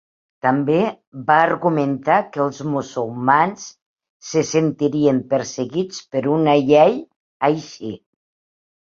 També va argumentar que els musulmans se sentirien perseguits per una llei així.